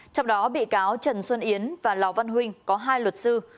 trong đó bị cáo trần xuân yến và lò văn huynh có hai luật sư